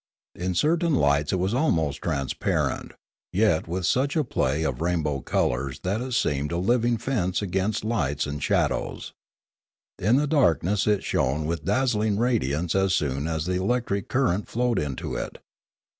In certain lights it was almost trans parent, yet with such a play of rainbow colors that it seemed a living fence against lights and shadows. In the darkness it shone with dazzling radiance as soon as the electric current flowed into it.